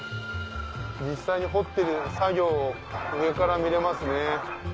実際に掘ってる作業を上から見れますね。